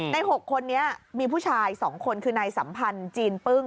๖คนนี้มีผู้ชาย๒คนคือนายสัมพันธ์จีนปึ้ง